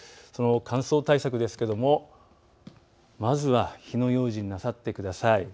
その乾燥対策ですけれどもまずは火の用心をなさってください。